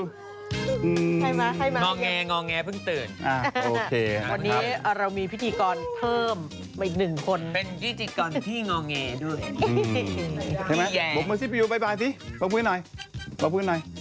เห็นมั้ยบอกมาสิพี่ยูบ๊ายบายสิบอกพี่หน่อย